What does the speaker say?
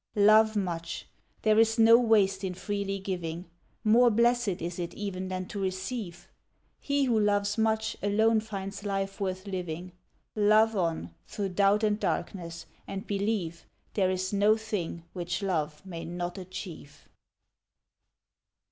Love much. There is no waste in freely giving; More blessed is it, even, than to receive. He who loves much, alone finds life worth living, Love on, through doubt and darkness; and believe There is no thing which Love may not achieve.